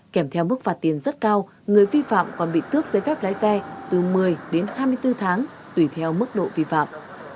kèm theo mức phạt tiền rất cao người vi phạm còn bị tước giấy phép lái xe từ một mươi đến hai mươi bốn tháng tùy theo mức độ vi phạm